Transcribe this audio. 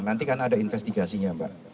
nanti kan ada investigasinya mbak